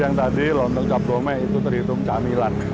yang tadi lontong cap dome itu terhitung kamilan